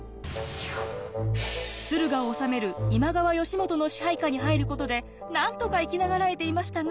駿河を治める今川義元の支配下に入ることでなんとか生き長らえていましたが。